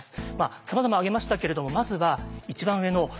さまざま挙げましたけれどもまずは一番上の転籍制限